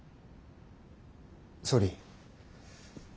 総理。